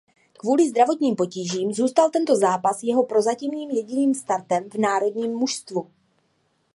Kvůli zdravotním potížím zůstal tento zápas jeho prozatím jediným startem v národním mužstvu.